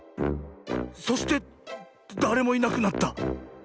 そしてだれもいなくなった。